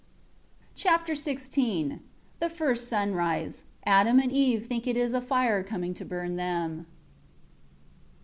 Chapter XVI The first sunrise. Adam and Eve think it is a fire coming to burn them.